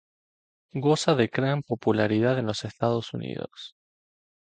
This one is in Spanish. Goza de gran popularidad en los Estados Unidos.